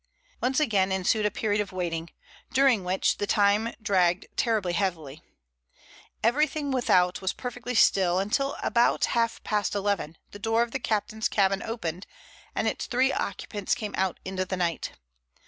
Once again ensued a period of waiting, during which the time dragged terribly heavily. Everything without was perfectly still, until at about half past eleven the door of the captain's cabin opened and its three occupants came out into the night.